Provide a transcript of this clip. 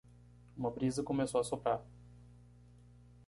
Uma brisa começou a soprar.